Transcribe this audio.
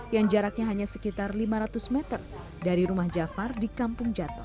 yang jaraknya hanya sekitar lima ratus meter dari rumah jafar di kampung jatoh